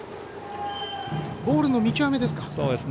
ボールの見極めですか。